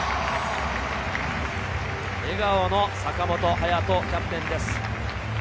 笑顔の坂本勇人、キャプテンです。